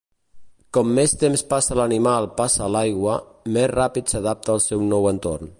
Com més temps passa l'animal passa a l'aigua, més ràpid s'adapta al seu nou entorn.